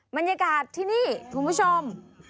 บรรยากาศที่นี่คุณผู้ชม